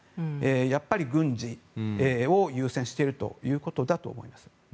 やっぱり軍事を優先しているということだと思います。